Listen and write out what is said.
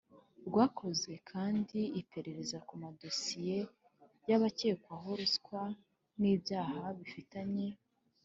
Rwakoze kandi iperereza ku madosiye y abakekwaho ruswa n ibyaha bifitanye